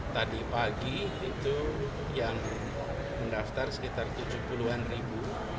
tadi pagi itu yang mendaftar sekitar tujuh puluh an ribu